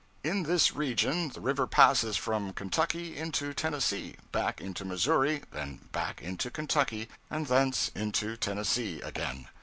In this region the river passes from Kentucky into Tennessee, back into Missouri, then back into Kentucky, and thence into Tennessee again.